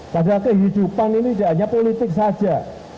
padahal kehidupan ini tidak hanya politik saja